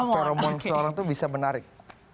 pheromone seorang itu bisa menarik